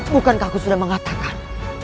bukankah aku sudah mengatakan